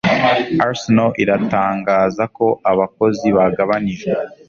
Arsenal iratangaza ko abakozi bagabanijwe